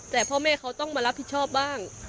แต่พ่อแม่เขาต้องมารับผิดชอบบ้าง